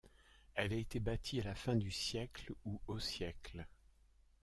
Elle a été bâtie à la fin du siècle ou au siècle.